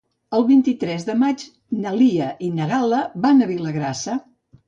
El vint-i-tres de maig na Lia i na Gal·la van a Vilagrassa.